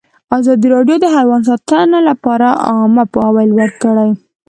ازادي راډیو د حیوان ساتنه لپاره عامه پوهاوي لوړ کړی.